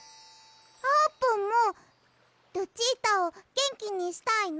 あーぷんもルチータをげんきにしたいの？